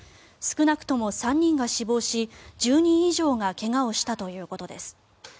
少なくとも３人が死亡し１０人以上が怪我をしたということです。